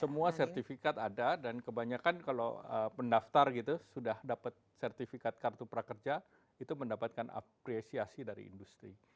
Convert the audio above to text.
semua sertifikat ada dan kebanyakan kalau pendaftar gitu sudah dapat sertifikat kartu prakerja itu mendapatkan apresiasi dari industri